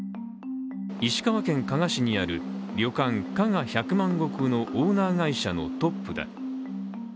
石川県加賀市にある旅館加賀百万石のオーナー会社のトップだ。